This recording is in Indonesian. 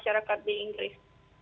tapi pada saat ini kita belum bisa